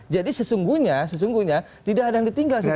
jadi sesungguhnya tidak ada yang ditinggal sebetulnya